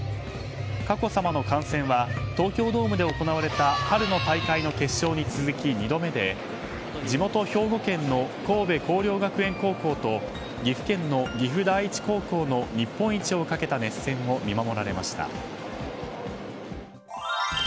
佳子さまの観戦は東京ドームで行われた春の大会の決勝に続き２度目で地元・兵庫県の神戸弘陵学園高校と岐阜県の岐阜第一高校の日本一をかけた熱戦を見守られました。